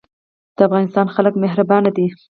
د افغانستان خلک مهربان دي